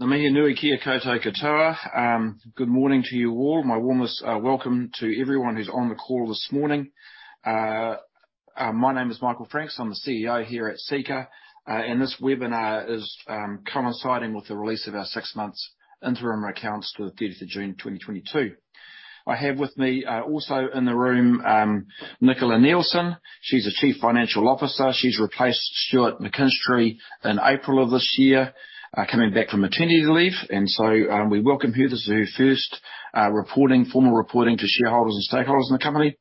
Good morning to you all. My warmest welcome to everyone who's on the call this morning. My name is Michael Franks. I'm the CEO here at Seeka. This webinar is coinciding with the release of our six months interim accounts to the 30th of June 2022. I have with me also in the room Nicola Neilson. She's the Chief Financial Officer. She's replaced Stuart McKinstry in April of this year coming back from maternity leave. We welcome her. This is her first formal reporting to shareholders and stakeholders in the company.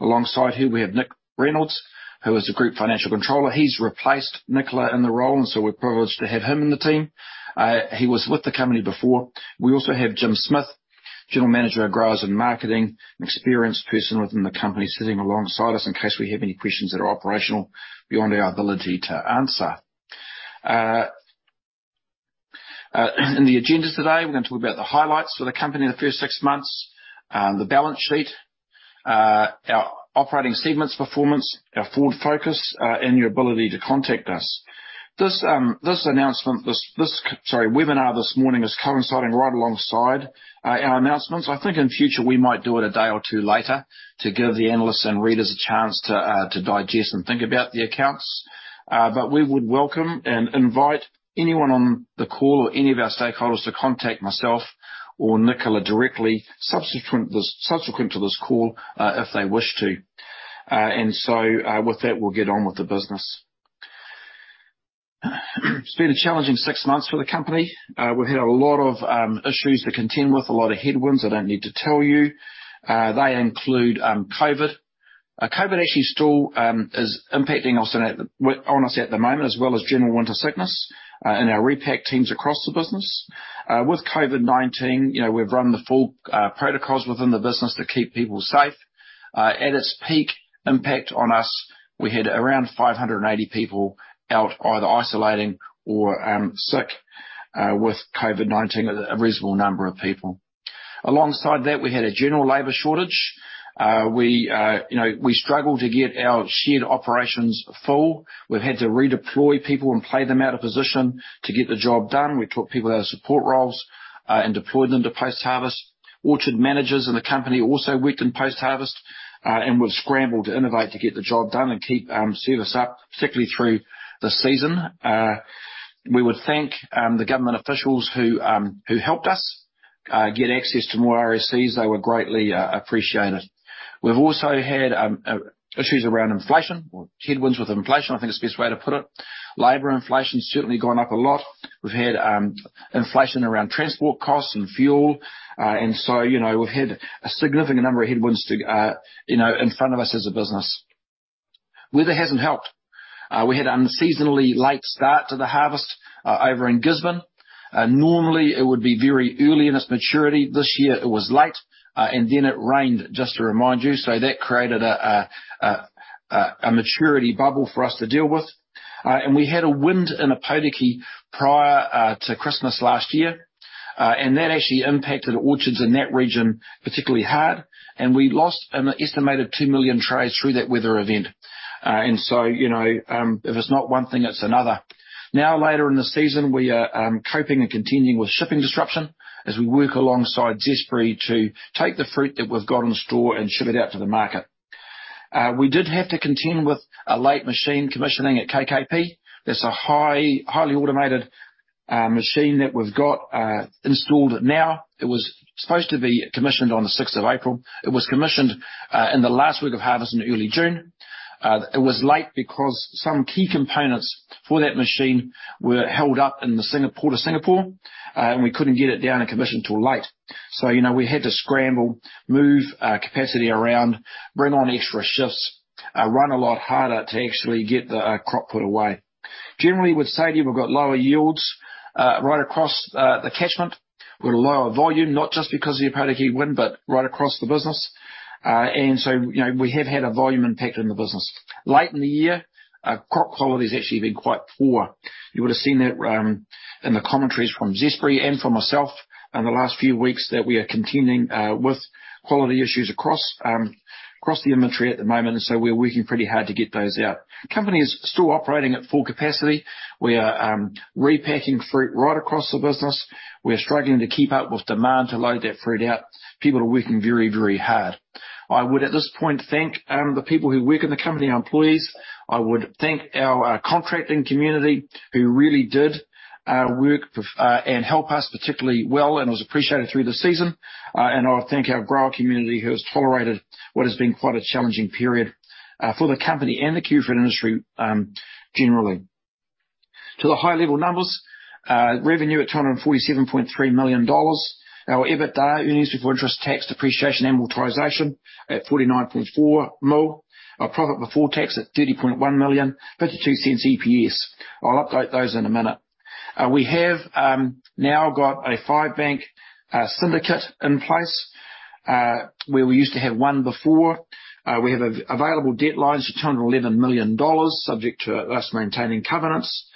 Alongside her, we have Nick Reynolds, who is the Group Financial Controller. He's replaced Nicola in the role, we're privileged to have him in the team. He was with the company before. We also have Jim Smith, General Manager, Growers and Marketing. An experienced person within the company sitting alongside us in case we have any questions that are operational beyond our ability to answer. In the agenda today, we're gonna talk about the highlights for the company in the first six months, the balance sheet, our operating segments performance, our forward focus, and your ability to contact us. This webinar this morning is coinciding right alongside our announcements. I think in future, we might do it a day or two later to give the analysts and readers a chance to digest and think about the accounts. We would welcome and invite anyone on the call or any of our stakeholders to contact myself or Nicola directly subsequent to this call, if they wish to. With that, we'll get on with the business. It's been a challenging six months for the company. We've had a lot of issues to contend with, a lot of headwinds, I don't need to tell you. They include COVID. COVID actually still is impacting us at the moment, as well as general winter sickness in our repack teams across the business. With COVID-19, you know, we've run the full protocols within the business to keep people safe. At its peak impact on us, we had around 580 people out either isolating or sick with COVID-19. A reasonable number of people. Alongside that, we had a general labor shortage. You know, we struggled to get our shed operations full. We've had to redeploy people and play them out of position to get the job done. We took people out of support roles and deployed them to post-harvest. Orchard managers in the company also worked in post-harvest. We've scrambled to innovate to get the job done and keep service up, particularly through the season. We would thank the government officials who helped us get access to more RSEs. They were greatly appreciated. We've also had issues around inflation or headwinds with inflation. I think it's the best way to put it. Labor inflation's certainly gone up a lot. We've had inflation around transport costs and fuel. And so, you know, we've had a significant number of headwinds in front of us as a business. Weather hasn't helped. We had an unseasonably late start to the harvest over in Gisborne. Normally, it would be very early in its maturity. This year, it was late. And then it rained, just to remind you. So that created a maturity bubble for us to deal with. We had a wind in Ōpōtiki prior to Christmas last year. That actually impacted orchards in that region particularly hard. We lost an estimated 2 million trays through that weather event. You know, if it's not one thing, it's another. Now, later in the season, we are coping and contending with shipping disruption as we work alongside Zespri to take the fruit that we've got in store and ship it out to the market. We did have to contend with a late machine commissioning at KKP. That's a highly automated machine that we've got installed now. It was supposed to be commissioned on the sixth of April. It was commissioned in the last week of harvest in early June. It was late because some key components for that machine were held up in Singapore, and we couldn't get it down and commissioned till late. You know, we had to scramble, move capacity around, bring on extra shifts, run a lot harder to actually get the crop put away. Generally with Sadie, we've got lower yields right across the catchment. We've got a lower volume, not just because of the Ōpōtiki wind, you know, we have had a volume impact in the business. Late in the year, crop quality's actually been quite poor. You would have seen that in the commentaries from Zespri and from myself in the last few weeks that we are contending with quality issues across the inventory at the moment. We're working pretty hard to get those out. Company is still operating at full capacity. We are repacking fruit right across the business. We are struggling to keep up with demand to load that fruit out. People are working very, very hard. I would at this point thank the people who work in the company, our employees. I would thank our contracting community who really did work and help us particularly well and was appreciated through the season. I thank our grower community who has tolerated what has been quite a challenging period for the company and the kiwifruit industry, generally. To the high level numbers, revenue at 247.3 million dollars. Our EBITDA, earnings before interest, tax, depreciation, and amortization, at 49.4 million. Our profit before tax at 30.1 million, 0.52 EPS. I'll update those in a minute. We have now got a five-bank syndicate in place, where we used to have one before. We have available debt lines, 211 million dollars, subject to us maintaining covenants.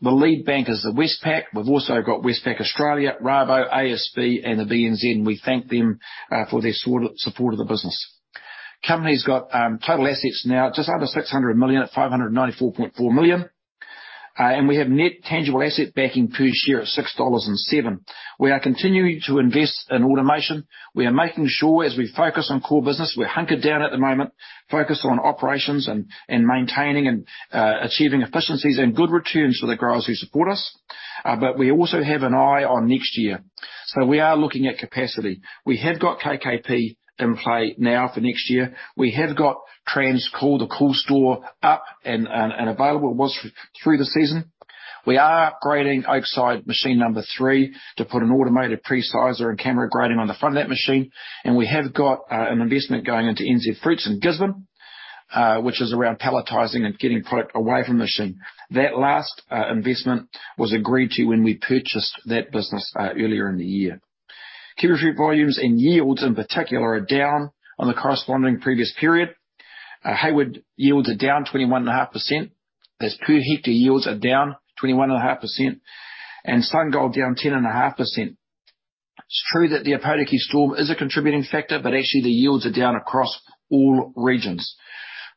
The lead bank is Westpac. We've also got Westpac Australia, Rabobank, ASB Bank, and the Bank of New Zealand, and we thank them for their support of the business. Company's got total assets now just under 600 million at 594.4 million. We have net tangible asset backing per share of 6.07. We are continuing to invest in automation. We are making sure as we focus on core business, we're hunkered down at the moment, focused on operations and maintaining and achieving efficiencies and good returns for the growers who support us. We also have an eye on next year. We are looking at capacity. We have got KKP in play now for next year. We have got Transcool, the cool store, up and available. It was through the season. We are upgrading Oakside machine number three to put an automated pre-sizer and camera grading on the front of that machine, and we have got an investment going into NZ Fruits in Gisborne, which is around palletizing and getting product away from the machine. That last investment was agreed to when we purchased that business earlier in the year. Kiwifruit volumes and yields in particular are down on the corresponding previous period. Hayward yields are down 21.5%. That's per hectare yields are down 21.5%, and SunGold down 10.5%. It's true that the Ōpōtiki storm is a contributing factor, but actually the yields are down across all regions.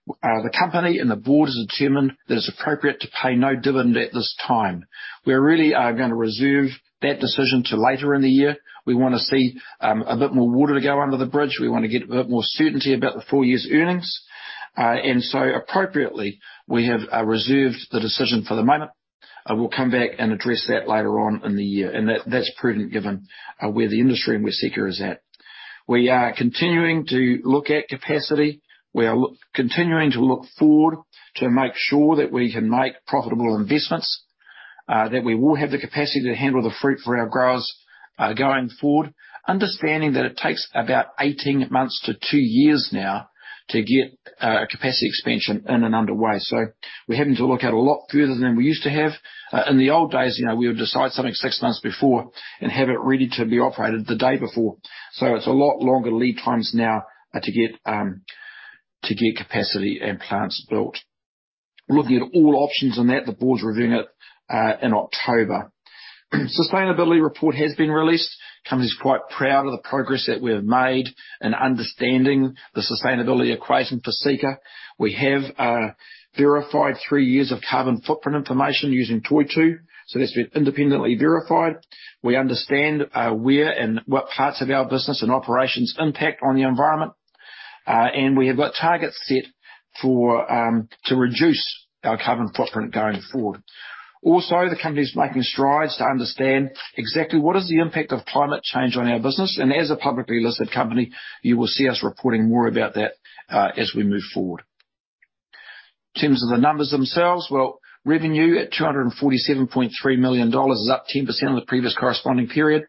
The company and the board has determined that it's appropriate to pay no dividend at this time. We really are gonna reserve that decision to later in the year. We wanna see a bit more water to go under the bridge. We wanna get a bit more certainty about the full year's earnings. Appropriately, we have reserved the decision for the moment. We'll come back and address that later on in the year. That's prudent given where the industry and where Seeka is at. We are continuing to look at capacity. We are continuing to look forward to make sure that we can make profitable investments, that we will have the capacity to handle the fruit for our growers, going forward, understanding that it takes about 18 months to two years now to get a capacity expansion in and underway. We're having to look out a lot further than we used to have. In the old days, you know, we would decide something six months before and have it ready to be operated the day before. It's a lot longer lead times now to get capacity and plants built. We're looking at all options on that. The board's reviewing it in October. Sustainability report has been released. Company's quite proud of the progress that we have made in understanding the sustainability equation for Seeka. We have verified three years of carbon footprint information using Toitū. That's been independently verified. We understand where and what parts of our business and operations impact on the environment. We have got targets set for to reduce our carbon footprint going forward. Also, the company's making strides to understand exactly what is the impact of climate change on our business. As a publicly listed company, you will see us reporting more about that as we move forward. In terms of the numbers themselves, well, revenue at 247.3 million dollars is up 10% on the previous corresponding period.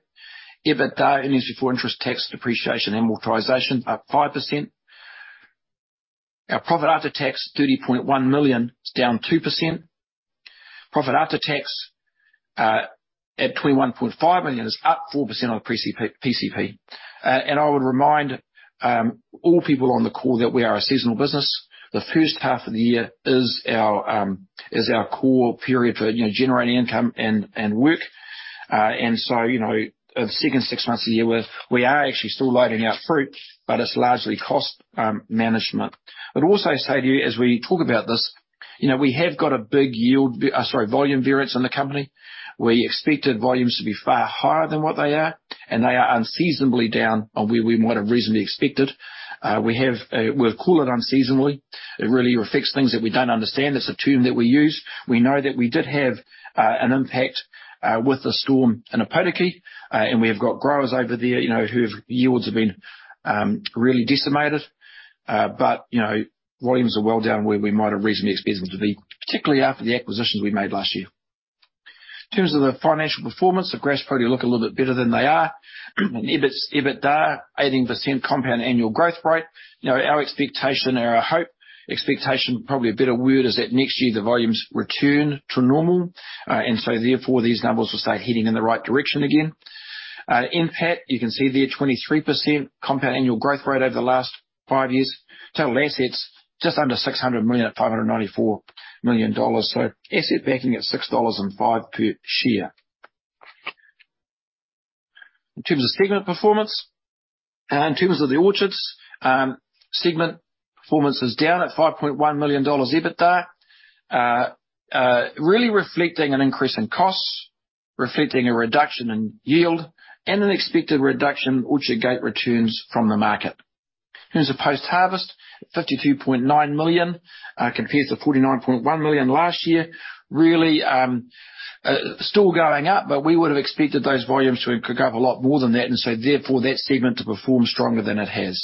EBITDA, earnings before interest, tax, depreciation, and amortization, up 5%. Our profit after tax, 30.1 million. It's down 2%. Profit after tax at 21.5 million is up 4% on a PCP. I would remind all people on the call that we are a seasonal business. The first half of the year is our core period for, you know, generating income and work. You know, the second six months of the year with, we are actually still loading out fruit, but it's largely cost management. I'd also say to you, as we talk about this, you know, we have got a big volume variance in the company. We expected volumes to be far higher than what they are, and they are unseasonably down on where we might have reasonably expected. We'll call it unseasonably. It really reflects things that we don't understand. It's a term that we use. We know that we did have an impact with the storm in Ōpōtiki. We have got growers over there, you know, yields have been really decimated. You know, volumes are well down where we might have reasonably expected them to be, particularly after the acquisitions we made last year. In terms of the financial performance, the graphs probably look a little bit better than they are. EBIT, EBITDA, 18% compound annual growth rate. You know, our expectation and our hope, expectation probably a better word, is that next year the volumes return to normal. Therefore, these numbers will start heading in the right direction again. NPAT, you can see there, 23% compound annual growth rate over the last five years. Total assets, just under 600 million at 594 million dollars. Asset backing at 6.05 dollars per share. In terms of segment performance. In terms of the orchards, segment performance is down at 5.1 million dollars EBITDA, really reflecting an increase in costs, reflecting a reduction in yield, and an expected reduction in orchard gate returns from the market. In terms of post-harvest, 52.9 million, compared to 49.1 million last year. Really, still going up, but we would have expected those volumes to have gone up a lot more than that, and therefore that segment to perform stronger than it has.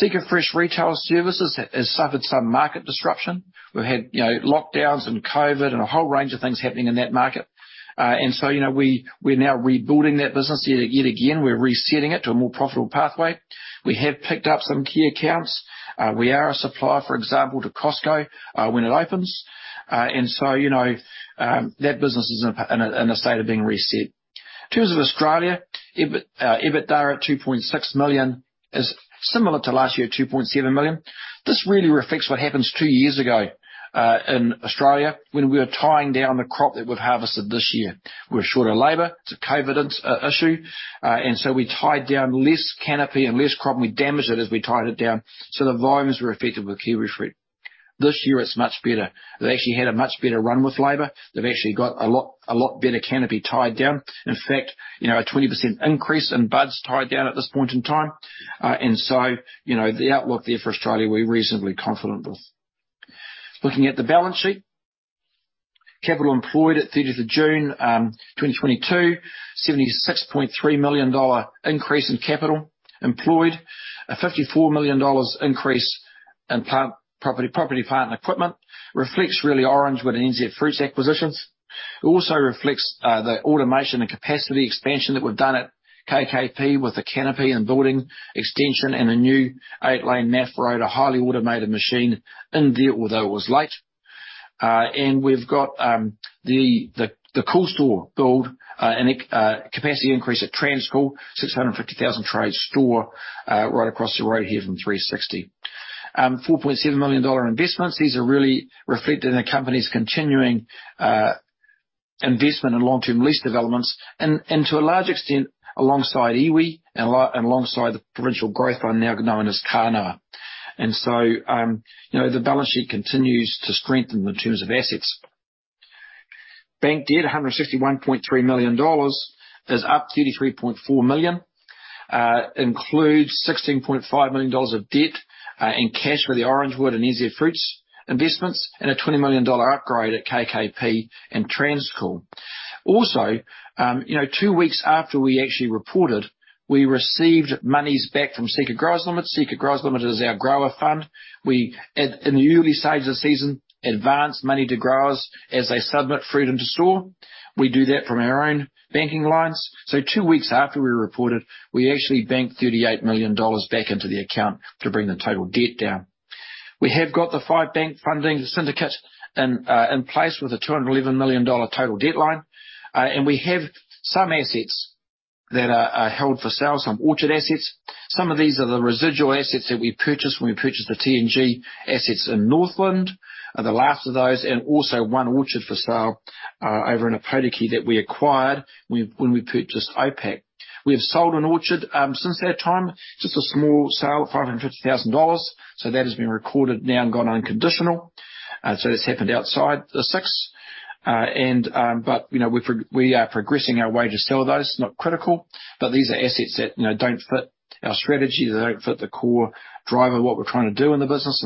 SeekaFresh Retail Services has suffered some market disruption. We've had, you know, lockdowns and COVID and a whole range of things happening in that market. You know, we're now rebuilding that business yet again. We're resetting it to a more profitable pathway. We have picked up some key accounts. We are a supplier, for example, to Costco, when it opens. You know, that business is in a state of being reset. In terms of Australia, EBIT, EBITDA at 2.6 million is similar to last year at 2.7 million. This really reflects what happened two years ago, in Australia, when we were tying down the crop that we've harvested this year. We're short of labor. It's a COVID issue. We tied down less canopy and less crop, and we damaged it as we tied it down. The volumes were affected with kiwifruit. This year it's much better. They actually had a much better run with labor. They've actually got a lot better canopy tied down. In fact, you know, a 20% increase in buds tied down at this point in time. You know, the outlook there for Australia, we're reasonably confident with. Looking at the balance sheet. Capital employed at 13th of June 2022, NZD 76.3 million increase in capital employed. A NZD 54 million increase in property, plant, and equipment. Reflects really Orangewood and NZ Fruits acquisitions. It also reflects the automation and capacity expansion that we've done at KKP with the canopy and building extension and a new 8-lane MAF Roda, a highly automated machine in there, although it was late. We've got the cool store build and a capacity increase at Transcool, 650,000 tray store right across the road here from Seeka 360. 4.7 million dollar investments. These are really reflected in the company's continuing investment in long-term lease developments. To a large extent, alongside iwi and alongside the Provincial Growth Fund now known as Kānoa. You know, the balance sheet continues to strengthen in terms of assets. Bank debt, 161.3 million dollars is up 33.4 million. Includes 16.5 million dollars of debt in cash for the Orangewood and NZ Fruits investments, and a 20 million dollar upgrade at KKP and Transcool. Also, you know, two weeks after we actually reported, we received monies back from Seeka Growers Limited. Seeka Growers Limited is our grower fund. In the early stages of the season, we advanced money to growers as they submit fruit into store. We do that from our own banking lines. Two weeks after we reported, we actually banked 38 million dollars back into the account to bring the total debt down. We have got the five-bank funding syndicate in place with a 211 million dollar total debt line. We have some assets that are held for sale, some orchard assets. Some of these are the residual assets that we purchased when we purchased the T&G assets in Northland, the last of those, and also one orchard for sale over in Ōpōtiki that we acquired when we purchased OPAC. We have sold an orchard since that time, just a small sale, 550,000 dollars. That has been recorded now and gone unconditional. That's happened outside the sixth. You know, we are progressing our way to sell those. Not critical, but these are assets that, you know, don't fit our strategy. They don't fit the core driver of what we're trying to do in the business.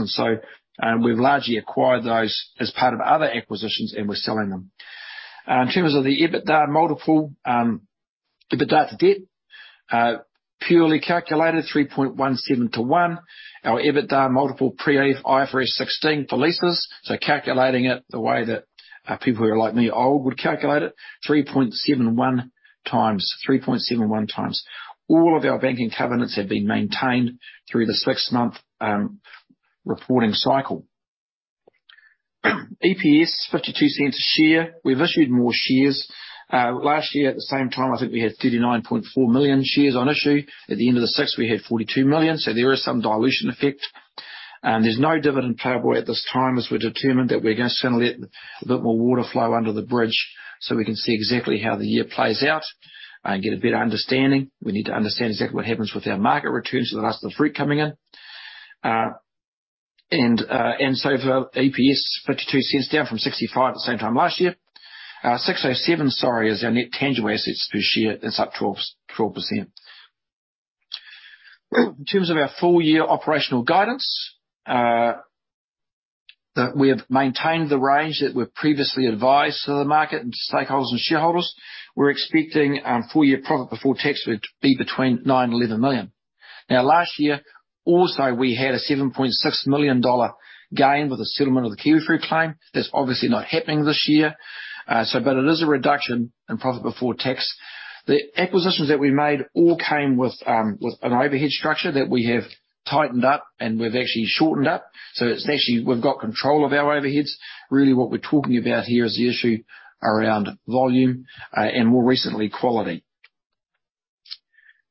We've largely acquired those as part of other acquisitions, and we're selling them. In terms of the EBITDA multiple, EBITDA to debt, purely calculated 3.17 to one. Our EBITDA multiple pre-IFRS 16 for leases. Calculating it the way that people who are like me, old, would calculate it, 3.71x. All of our banking covenants have been maintained through the six-month reporting cycle. EPS 0.52 a share. We've issued more shares. Last year at the same time, I think we had 39.4 million shares on issue. At the end of the sixth, we had 42 million. There is some dilution effect. There's no dividend payable at this time, as we're determined that we're just gonna let a bit more water flow under the bridge so we can see exactly how the year plays out, and get a better understanding. We need to understand exactly what happens with our market returns for the last of the fruit coming in. For EPS 0.52, down from 0.65 at the same time last year. 6.07, sorry, is our net tangible assets per share. That's up 12%. In terms of our full year operational guidance, we have maintained the range that we've previously advised to the market and to stakeholders and shareholders. We're expecting full year profit before tax would be between 9 million and 11 million. Now last year, also, we had a 7.6 million dollar gain with the settlement of the Kiwifruit Claim. That's obviously not happening this year. But it is a reduction in profit before tax. The acquisitions that we made all came with an overhead structure that we have tightened up and we've actually shortened up. It's actually, we've got control of our overheads. Really what we're talking about here is the issue around volume and more recently, quality.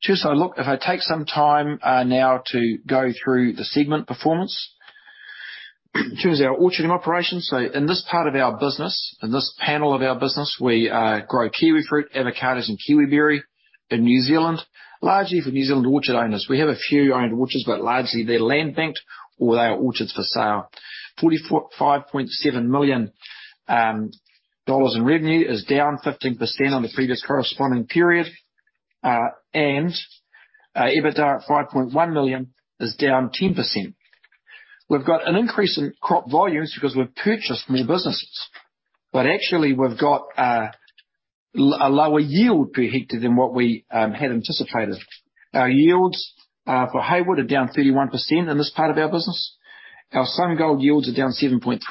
Just a look. If I take some time now to go through the segment performance. In terms of our orcharding operations. In this part of our business, in this part of our business, we grow kiwifruit, avocados, and Kiwiberry in New Zealand, largely for New Zealand orchard owners. We have a few owned orchards, but largely they're land banked or they are orchards for sale. 45.7 million dollars in revenue is down 15% on the previous corresponding period. EBITDA at 5.1 million is down 10%. We've got an increase in crop volumes because we've purchased more businesses. Actually we've got a lower yield per hectare than what we had anticipated. Our yields for Hayward are down 31% in this part of our business. Our SunGold yields are down 7.3%.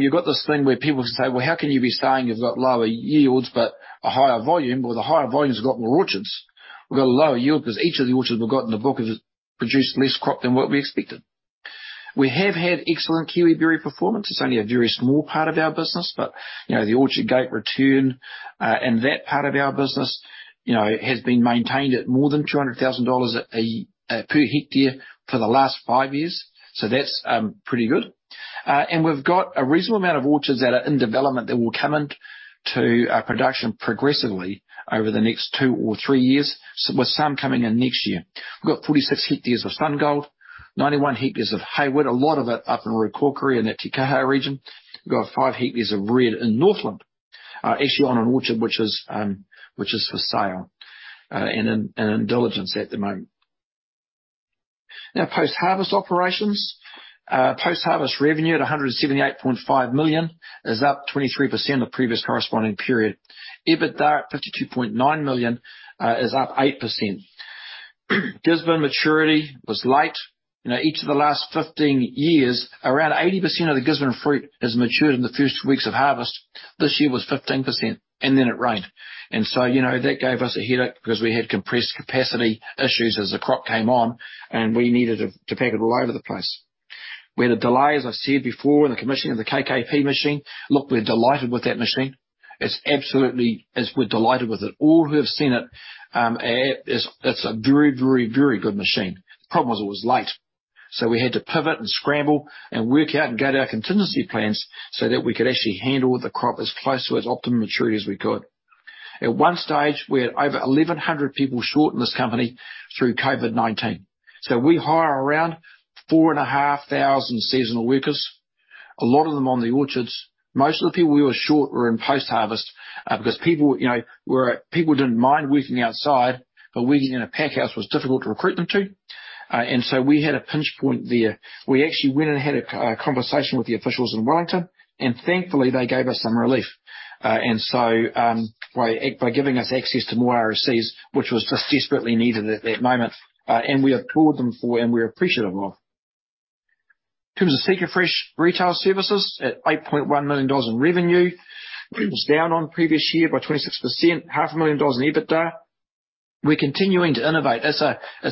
You've got this thing where people say, "Well, how can you be saying you've got lower yields but a higher volume?" Well, the higher volume's got more orchards. We've got a lower yield because each of the orchards we've got in the book has produced less crop than what we expected. We have had excellent Kiwiberry performance. It's only a very small part of our business. But, you know, the Orchard Gate Return in that part of our business, you know, has been maintained at more than 200,000 dollars per ha for the last five years. That's pretty good. We've got a reasonable amount of orchards that are in development that will come into production progressively over the next two or three years, with some coming in next year. We've got 46 ha of SunGold, 91 ha of Hayward, a lot of it up in Raukokore in that Te Kaha region. We've got 5 ha of Red in Northland, actually on an orchard which is for sale, and in due diligence at the moment. Now, post-harvest operations. Post-harvest revenue at 178.5 million is up 23% on previous corresponding period. EBITDA at 52.9 million is up 8%. Gisborne maturity was late. You know, each of the last 15 years, around 80% of the Gisborne fruit has matured in the first weeks of harvest. This year was 15%, and then it rained. You know, that gave us a headache because we had compressed capacity issues as the crop came on, and we needed to pack it all over the place. We had a delay, as I've said before, in the commissioning of the KKP machine. Look, we're delighted with that machine. It's absolutely. We're delighted with it. All who have seen it's a very good machine. The problem was it was late. We had to pivot and scramble and work out and go to our contingency plans so that we could actually handle the crop as close to as optimum maturity as we could. At one stage, we had over 1,100 people short in this company through COVID-19. We hire around 4,500 seasonal workers, a lot of them on the orchards. Most of the people we were short were in post-harvest, because people, you know, didn't mind working outside, but working in a pack house was difficult to recruit them to. We had a pinch point there. We actually went and had a conversation with the officials in Wellington, and thankfully, they gave us some relief by giving us access to more RSEs, which was just desperately needed at that moment, and we applaud them for and we're appreciative of. In terms of SeekaFresh Retail Services at 8.1 million dollars in revenue. It was down on previous year by 26%, half a million in EBITDA. We're continuing to innovate. It's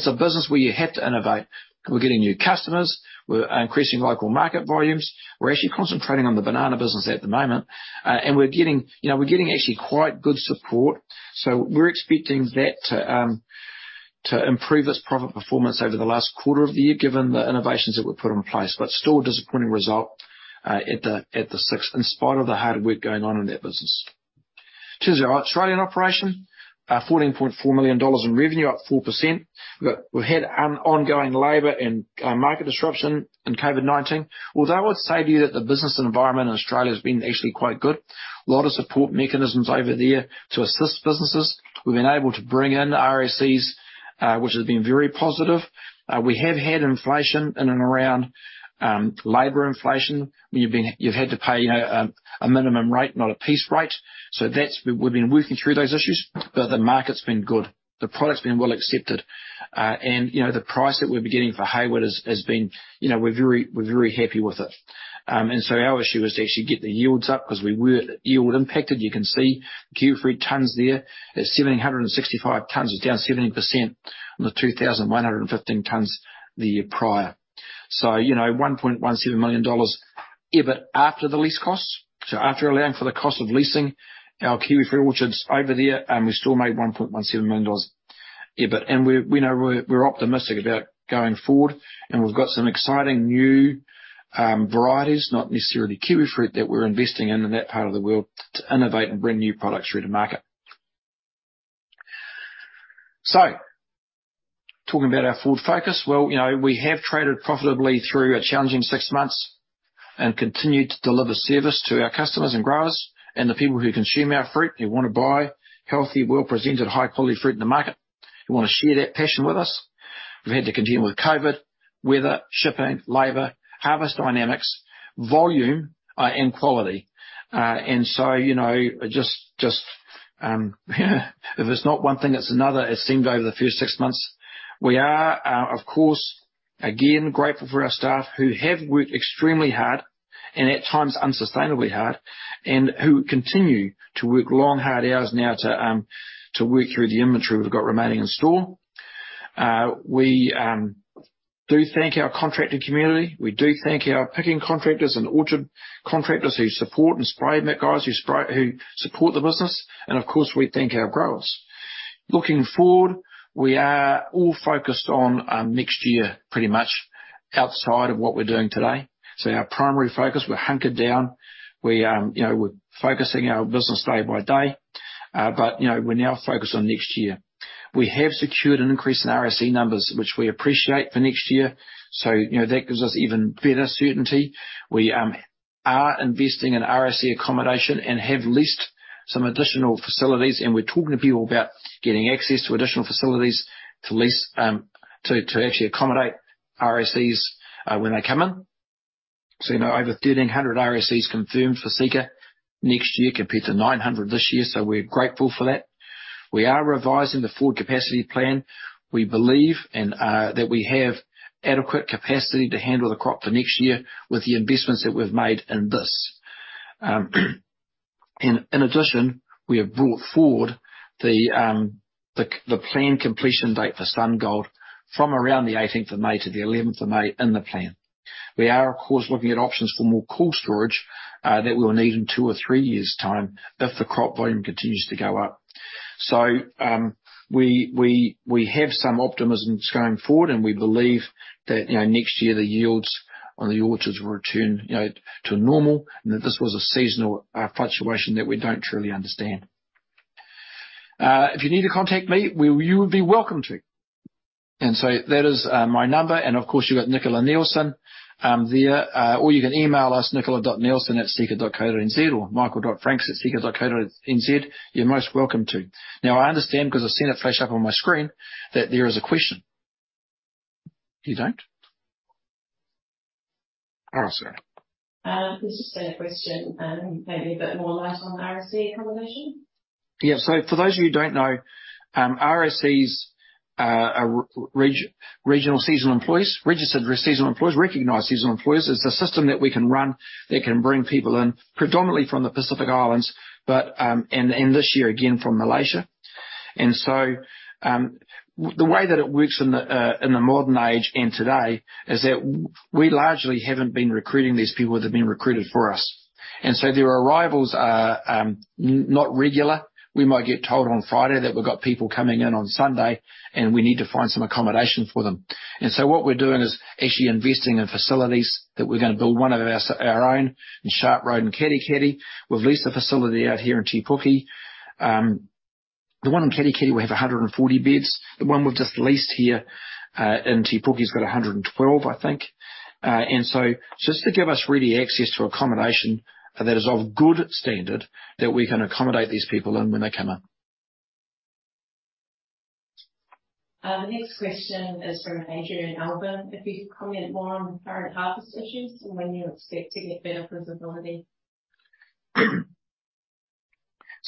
a business where you have to innovate. We're getting new customers. We're increasing local market volumes. We're actually concentrating on the banana business at the moment. We're getting actually quite good support. We're expecting that to improve its profit performance over the last quarter of the year, given the innovations that we've put in place. Still a disappointing result at the sixth, in spite of the hard work going on in that business. In terms of our Australian operation, 14.4 million dollars in revenue, up 4%. We've had ongoing labor and market disruption in COVID-19. Although I would say to you that the business environment in Australia has been actually quite good. A lot of support mechanisms over there to assist businesses. We've been able to bring in RSEs, which has been very positive. We have had inflation in and around labor inflation. You've had to pay a minimum rate, not a piece rate. That's been. We've been working through those issues, but the market's been good. The product's been well accepted. You know, the price that we've been getting for Hayward has been, you know, we're very happy with it. Our issue is to actually get the yields up because we were yield impacted. You can see kiwifruit tonnes there. That 1,765 tonnes is down 70% on the 2,115 tonnes the year prior. You know, 1.17 million dollars EBIT after the lease costs. After allowing for the cost of leasing our kiwifruit orchards over there, we still made 1.17 million dollars EBIT. We know we're optimistic about going forward. We've got some exciting new varieties, not necessarily kiwifruit, that we're investing in in that part of the world to innovate and bring new products through to market. Talking about our forward focus. Well, you know, we have traded profitably through a challenging six months and continued to deliver service to our customers and growers and the people who consume our fruit, who wanna buy healthy, well-presented, high-quality fruit in the market, who wanna share that passion with us. We've had to contend with COVID, weather, shipping, labor, harvest dynamics, volume, and quality. You know, just if it's not one thing, it's another, it seemed over the first six months. We are, of course, again, grateful for our staff who have worked extremely hard, and at times unsustainably hard, and who continue to work long, hard hours now to work through the inventory we've got remaining in store. We do thank our contracted community. We do thank our picking contractors and orchard contractors who support and spray, the guys who spray, who support the business. Of course, we thank our growers. Looking forward, we are all focused on next year, pretty much outside of what we're doing today. Our primary focus, we're hunkered down. We, you know, we're focusing our business day by day. You know, we're now focused on next year. We have secured an increase in RSE numbers, which we appreciate for next year. You know, that gives us even better certainty. We are investing in RSE accommodation and have leased some additional facilities, and we're talking to people about getting access to additional facilities to lease to actually accommodate RSEs when they come in. You know, over 1,300 RSEs confirmed for Seeka next year compared to 900 this year. We're grateful for that. We are revising the forward capacity plan. We believe that we have adequate capacity to handle the crop for next year with the investments that we've made in this. In addition, we have brought forward the planned completion date for SunGold from around the eighteenth of May to the eleventh of May in the plan. We are, of course, looking at options for more cool storage, that we'll need in two or three years' time if the crop volume continues to go up. We have some optimism going forward, and we believe that, you know, next year the yields on the orchards will return, you know, to normal, and that this was a seasonal, fluctuation that we don't truly understand. If you need to contact me, well, you would be welcome to. That is my number, and of course, you've got Nicola Neilson, there. Or you can email us nicola.neilson@seeka.co.nz or michael.franks@seeka.co.nz. You're most welcome to. Now, I understand, 'cause I've seen it flash up on my screen, that there is a question. You don't? Oh, sorry. There's just been a question, maybe a bit more light on RSE accommodation. Yeah. For those of you who don't know, RSEs are Recognized Seasonal Employers. It's a system that we can run that can bring people in, predominantly from the Pacific Islands, but, and this year again from Malaysia. The way that it works in the modern age and today is that we largely haven't been recruiting these people. They've been recruited for us. Their arrivals are not regular. We might get told on Friday that we've got people coming in on Sunday, and we need to find some accommodation for them. What we're doing is actually investing in facilities that we're gonna build one of our own in Sharp Road in Katikati. We've leased a facility out here in Te Puke. The one in Katikati will have 140 beds. The one we've just leased here in Te Puke has got 112, I think. Just to give us ready access to accommodation that is of good standard that we can accommodate these people in when they come in. The next question is from Adrian Alba. If you could comment more on current harvest issues and when you expect to get better visibility?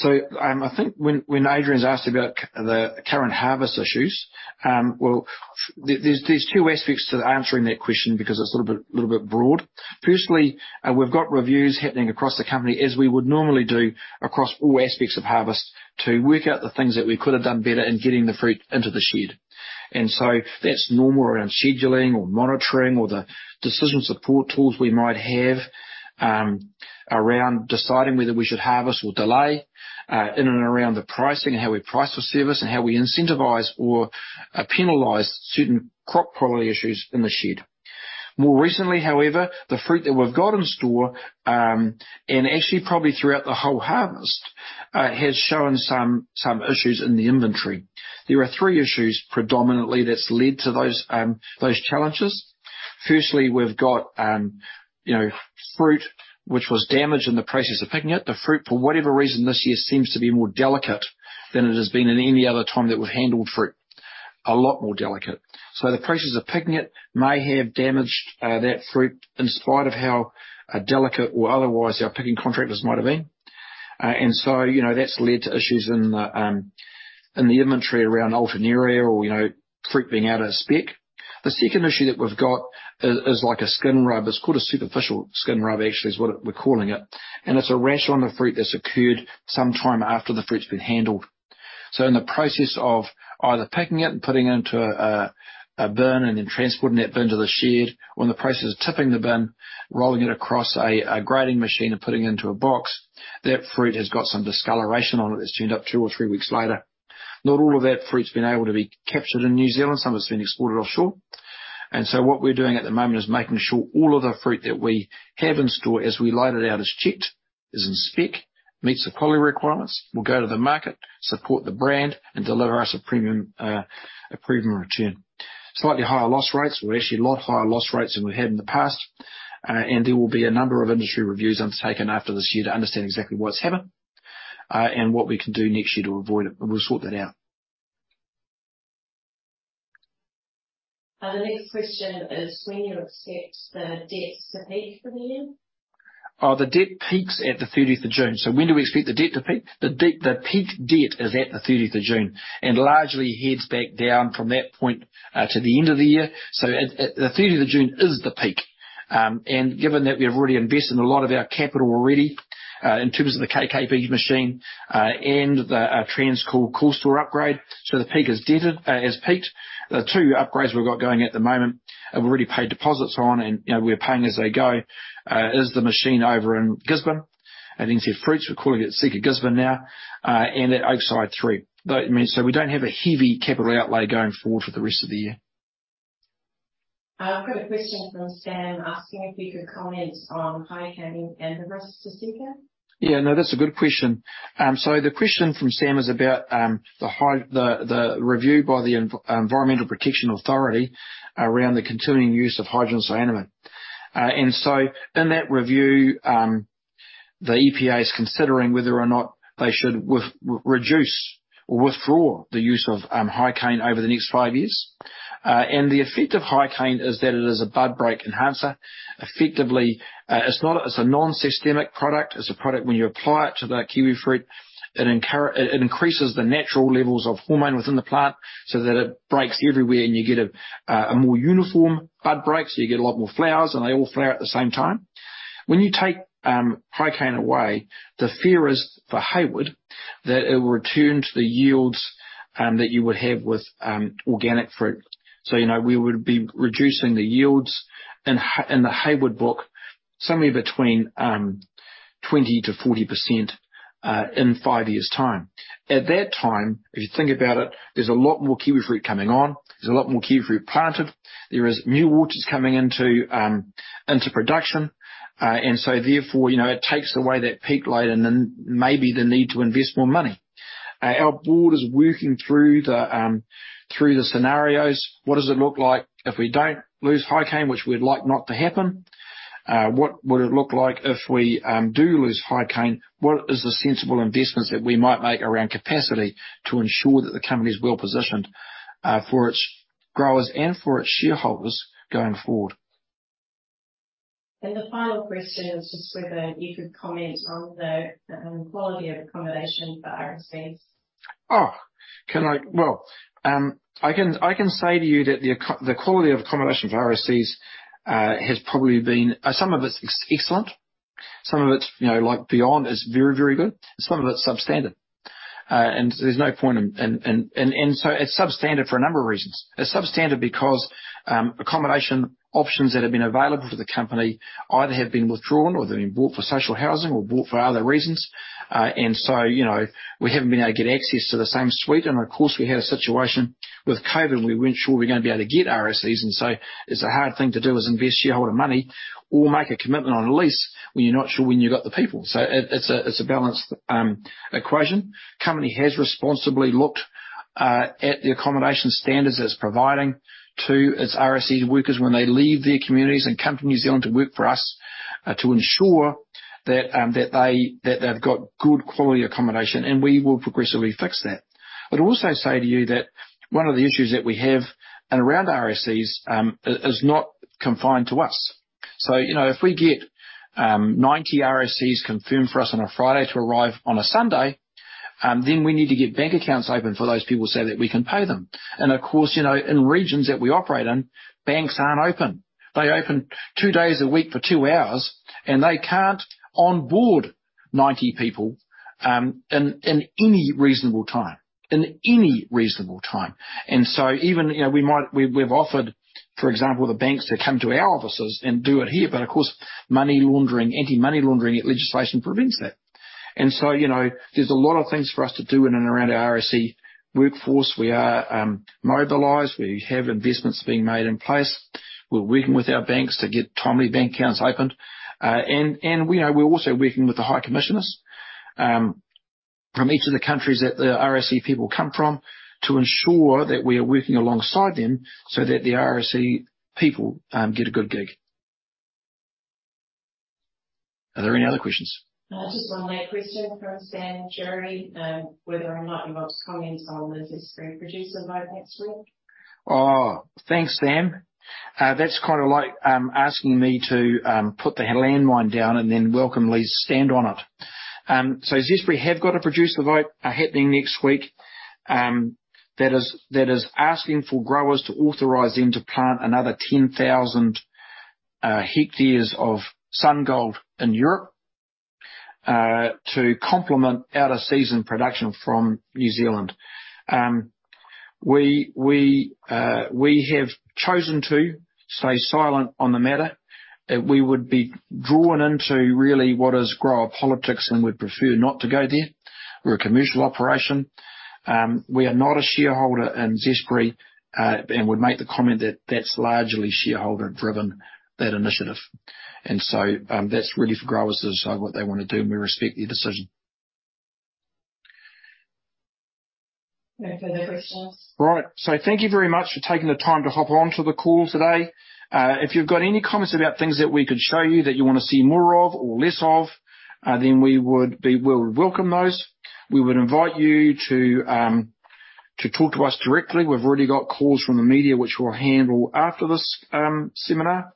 I think when Adrian Alba's asked about the current harvest issues, there's two aspects to answering that question because it's a little bit broad. Firstly, we've got reviews happening across the company, as we would normally do across all aspects of harvest, to work out the things that we could have done better in getting the fruit into the shed. That's normal around scheduling or monitoring or the decision support tools we might have around deciding whether we should harvest or delay. In and around the pricing and how we price for service and how we incentivize or penalize certain crop quality issues in the shed. More recently, however, the fruit that we've got in store and actually probably throughout the whole harvest has shown some issues in the inventory. There are three issues predominantly that's led to those challenges. Firstly, we've got, you know, fruit which was damaged in the process of picking it. The fruit, for whatever reason, this year seems to be more delicate than it has been in any other time that we've handled fruit. A lot more delicate. So the process of picking it may have damaged that fruit in spite of how delicate or otherwise our picking contractors might have been. And so, you know, that's led to issues in the inventory around Alternaria or, you know, fruit being out of spec. The second issue that we've got is like a skin rub. It's called a superficial skin rub actually, is what we're calling it, and it's a rash on the fruit that's occurred sometime after the fruit's been handled. In the process of either picking it and putting it into a bin and then transporting that bin to the shed, or in the process of tipping the bin, rolling it across a grading machine and putting it into a box, that fruit has got some discoloration on it that's turned up two or three weeks later. Not all of that fruit's been able to be captured in New Zealand. Some of it's been exported offshore. What we're doing at the moment is making sure all of the fruit that we have in store as we load it out is checked, is in spec, meets the quality requirements, will go to the market, support the brand, and deliver us a premium, a premium return. Slightly higher loss rates. Well, actually a lot higher loss rates than we've had in the past. There will be a number of industry reviews undertaken after this year to understand exactly what's happened, and what we can do next year to avoid it. We'll sort that out. The next question is when you expect the debt to peak for the year. Oh, the debt peaks at the 30th of June. When do we expect the debt to peak? The peak debt is at the 30th of June, and largely heads back down from that point to the end of the year. The 30th of June is the peak. Given that we've already invested a lot of our capital already in terms of the KKP machine and the Transcool cool store upgrade. The peak debt has peaked. The two upgrades we've got going at the moment, and we've already paid deposits on and, you know, we're paying as they go, is the machine over in Gisborne at NZ Fruits, we're calling it Seeka Gisborne now, and at Oakside 3. We don't have a heavy capital outlay going forward for the rest of the year. I've got a question from Sam asking if you could comment on Hi-Cane and the risk to Seeka. Yeah, no, that's a good question. So the question from Sam is about the review by the Environmental Protection Authority around the continuing use of hydrogen cyanamide. In that review, the EPA is considering whether or not they should reduce or withdraw the use of Hi-Cane over the next five years. The effect of Hi-Cane is that it is a bud break enhancer. Effectively, it's a non-systemic product. It's a product when you apply it to the kiwifruit, it increases the natural levels of hormone within the plant so that it breaks everywhere and you get a more uniform bud break, so you get a lot more flowers, and they all flower at the same time. When you take Hi-Cane away, the fear is, for Hayward, that it will return to the yields that you would have with organic fruit. You know, we would be reducing the yields in the Hayward block somewhere between 20%-40% in five years' time. At that time, if you think about it, there's a lot more kiwifruit coming on. There's a lot more kiwifruit planted. There is new hectares coming into production. Therefore, you know, it takes away that peak load and then maybe the need to invest more money. Our board is working through the scenarios. What does it look like if we don't lose Hi-Cane, which we'd like not to happen? What would it look like if we do lose Hi-Cane? What is the sensible investments that we might make around capacity to ensure that the company is well-positioned, for its growers and for its shareholders going forward? The final question is just whether you could comment on the quality of accommodation for RSEs? Well, I can say to you that the quality of accommodation for RSEs has probably been. Some of it's excellent, some of it's, you know, like, beyond. It's very, very good, and some of it's substandard. There's no point in. It's substandard for a number of reasons. It's substandard because accommodation options that have been available to the company either have been withdrawn or they've been bought for social housing or bought for other reasons. You know, we haven't been able to get access to the same suite. Of course, we had a situation with COVID where we weren't sure we're gonna be able to get RSEs. It's a hard thing to do, to invest shareholder money or make a commitment on a lease when you're not sure when you've got the people. It's a balanced equation. The company has responsibly looked at the accommodation standards it's providing to its RSE workers when they leave their communities and come to New Zealand to work for us, to ensure that they've got good quality accommodation, and we will progressively fix that. I'd also say to you that one of the issues that we have around RSEs is not confined to us. You know, if we get 90 RSEs confirmed for us on a Friday to arrive on a Sunday, then we need to get bank accounts open for those people so that we can pay them. Of course, you know, in regions that we operate in, banks aren't open. They open two days a week for two hours, and they can't onboard 90 people in any reasonable time. We've offered, for example, the banks to come to our offices and do it here. But of course, money laundering, Anti-Money Laundering legislation prevents that. You know, there's a lot of things for us to do in and around our RSE workforce. We are mobilized. We have investments being made in place. We're working with our banks to get timely bank accounts opened. We are. We're also working with the high commissioners from each of the countries that the RSE people come from to ensure that we are working alongside them so that the RSE people get a good gig. Are there any other questions? Just one more question from Sam Jerry, whether or not you've got comments on the Zespri producer vote next week. Oh, thanks, Sam. That's kind of like asking me to put the landmine down and then welcome Liz to stand on it. Zespri have got a producer vote happening next week that is asking for growers to authorize them to plant another 10,000 ha of SunGold in Europe to complement out-of-season production from New Zealand. We have chosen to stay silent on the matter. We would be drawn into really what is grower politics, and we'd prefer not to go there. We're a commercial operation. We are not a shareholder in Zespri and would make the comment that that's largely shareholder-driven, that initiative. That's really for growers to decide what they wanna do, and we respect their decision. No further questions. Right. Thank you very much for taking the time to hop onto the call today. If you've got any comments about things that we could show you that you wanna see more of or less of, then we'll welcome those. We would invite you to talk to us directly. We've already got calls from the media, which we'll handle after this seminar.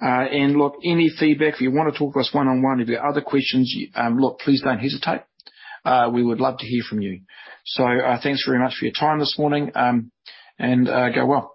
Look, any feedback, if you wanna talk to us one-on-one, if you have other questions, look, please don't hesitate. We would love to hear from you. Thanks very much for your time this morning, and go well.